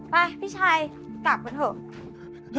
ไปพี่ชายกลับกันเหอะ